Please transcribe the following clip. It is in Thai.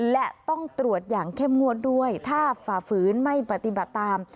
และต้องตรวจอย่างเข้มงวดด้วยถ้าฝ่าฝืนไม่ปฏิบัติตาม